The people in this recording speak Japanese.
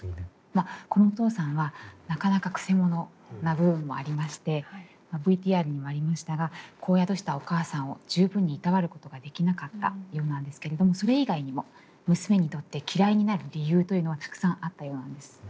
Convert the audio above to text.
まあこのお父さんはなかなかくせ者な部分もありましてＶＴＲにもありましたが子を宿したお母さんを十分に労ることができなかったようなんですけれどもそれ以外にも娘にとって嫌いになる理由というのはたくさんあったようなんです。